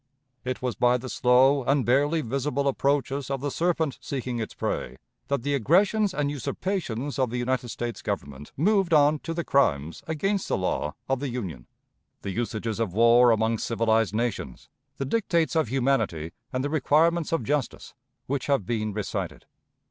It was by the slow and barely visible approaches of the serpent seeking its prey that the aggressions and usurpations of the United States Government moved on to the crimes against the law of the Union, the usages of war among civilized nations, the dictates of humanity and the requirements of justice, which have been recited.